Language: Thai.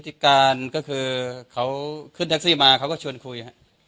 ติการก็คือเขาขึ้นแท็กซี่มาเขาก็ชวนคุยฮะ